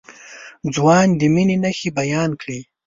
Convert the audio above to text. ځوان د مينې نښې بيان کړې.